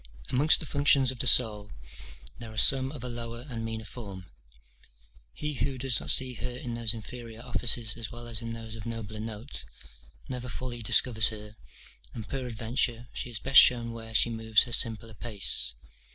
Amongst the functions of the soul, there are some of a lower and meaner form; he who does not see her in those inferior offices as well as in those of nobler note, never fully discovers her; and, peradventure, she is best shown where she moves her simpler pace.